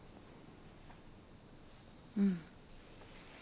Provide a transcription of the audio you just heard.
うん。